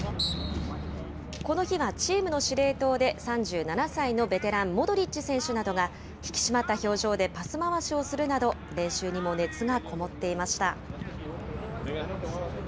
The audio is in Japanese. この日はチームの司令塔で３７歳のベテラン、モドリッチ選手などが、引き締まった表情でパス回しをするなど、練習にも熱がこもっていました。